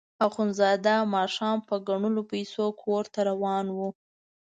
اخندزاده ماښام په ګڼلو پیسو کور ته روان وو.